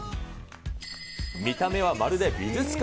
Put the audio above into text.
見た目はまるで美術館。